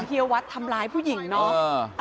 เฮียวัตรทำร้ายผู้หญิงเนาะ